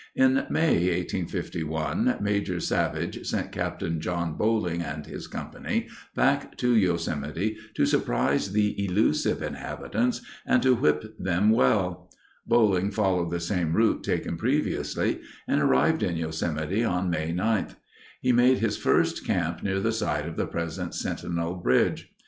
In May, 1851, Major Savage sent Captain John Boling and his company back to Yosemite to surprise the elusive inhabitants and to whip them well. Boling followed the same route taken previously and arrived in Yosemite on May 9. He made his first camp near the site of the present Sentinel Bridge.